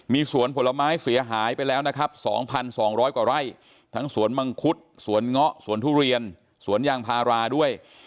มีสวนผลไม้เสียหายไปแล้วนะครับ๒๒๐๐กว่าไร่ทั้งสวนมังคุดสวนเงาะสวนทุเรียนสวนยางพาราด้วย